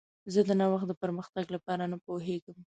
زه د نوښت د پرمختګ لپاره نه پوهیږم.